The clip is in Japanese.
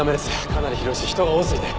かなり広いし人が多すぎて。